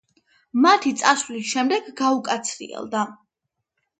მათი წასვლის შემდეგ გაუკაცრიელდა.